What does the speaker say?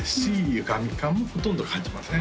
ゆがみ感もほとんど感じません